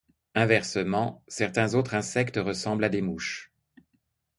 Inversement, certains autres insectes ressemblent à des mouches.